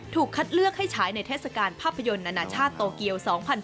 ถูกคัดเลือกให้ใช้ในเทศกาลภาพยนตร์อนาชาติโตเกียว๒๐๑๕